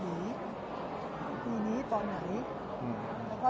พี่คิดว่าเข้างานทุกครั้งอยู่หรือเปล่า